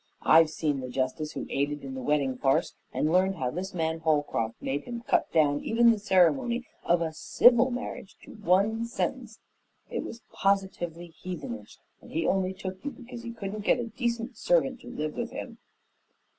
I've seen the justice who aided in the wedding farce, and learned how this man Holcroft made him cut down even the ceremony of a civil marriage to one sentence. It was positively heathenish, and he only took you because he couldn't get a decent servant to live with him."